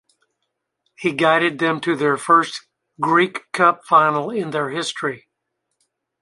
He guided them to their first Greek Cup final in their history.